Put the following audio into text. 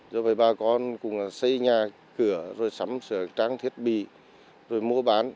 do vậy bà con cũng xây nhà cửa rồi sắm sửa trang thiết bị rồi mua bán